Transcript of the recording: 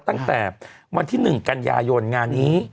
ตั้งแต่วันที่๑กันยายนงานนี้